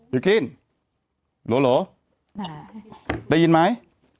ยกิ้นหรอหรอเอ่อได้ยินไหม